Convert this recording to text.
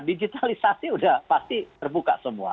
digitalisasi sudah pasti terbuka semua